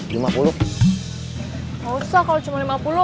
nggak usah kalau cuma lima puluh